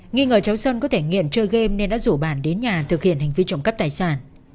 nghi ngờ cháu xuân có thể nghiện chơi game nên đã rủ bản đến nhà thực hiện hành vi trộm cắp tài sản